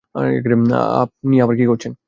আপনি আবার কি করছেন?